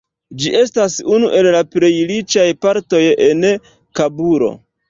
Ĝi estas unu el la plej riĉaj partoj en Kabulo.